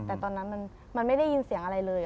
แต่ตอนนั้นมันไม่ได้ยินเสียงอะไรเลย